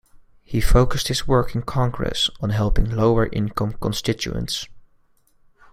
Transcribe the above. He focused his work in Congress on helping lower income constituents.